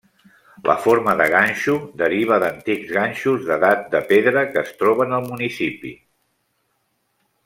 La forma de ganxo deriva d'antics ganxos d'edat de pedra que es troben al municipi.